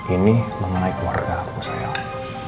ini mengenai keluarga aku sayang